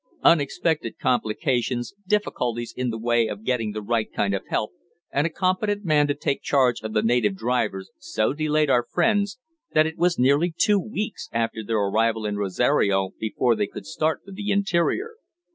Unexpected complications, difficulties in the way of getting the right kind of help, and a competent man to take charge of the native drivers, so delayed our friends that it was nearly two weeks after their arrival in Rosario before they could start for the interior.